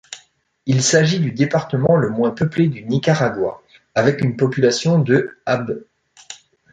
Il s'agit du département le moins peuplé du Nicaragua, avec une population de hab.